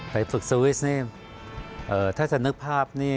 ไปฝึกสวิสเมริกาถ้าจะนึกภาพ